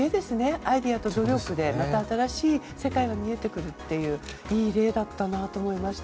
アイデアと努力でまた新しい世界が見えてくるいい例だったなと思いました。